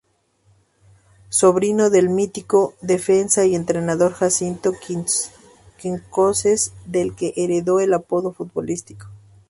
Sobrino del mítico defensa y entrenador Jacinto Quincoces, del que heredó el apodo futbolístico.